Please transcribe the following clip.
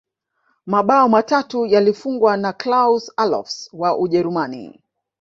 mabao matatu yalifungwa na klaus allofs wa ujerumani